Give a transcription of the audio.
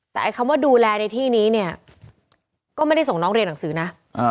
แต่ไอ้คำว่าดูแลในที่นี้เนี่ยก็ไม่ได้ส่งน้องเรียนหนังสือนะ